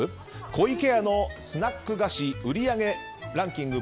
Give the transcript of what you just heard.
湖池屋のスナック菓子売り上げランキング